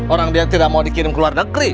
orang dia tidak mau dikirim ke luar negeri